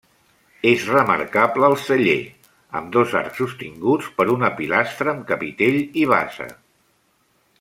És remarcable el celler, amb dos arcs sostinguts per una pilastra amb capitell i base.